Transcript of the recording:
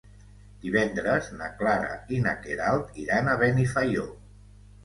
Divendres na Clara i na Queralt iran a Benifaió.